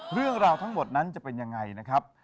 เรื่องราวทั้งหมดนั้นจะเป็นยังไงนะครับ